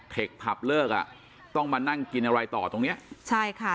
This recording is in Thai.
ผับเลิกอ่ะต้องมานั่งกินอะไรต่อตรงเนี้ยใช่ค่ะ